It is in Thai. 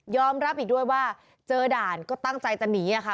รับอีกด้วยว่าเจอด่านก็ตั้งใจจะหนีอะค่ะ